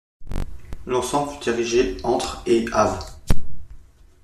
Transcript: L'ensemble fut érigé entre et av.